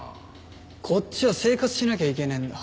こっちは生活しなきゃいけねえんだ。